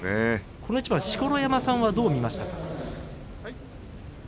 この一番、錣山さんはどう見ましたか？